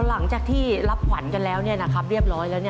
หลังจากที่รับขวัญกันแล้วเรียบร้อยแล้ว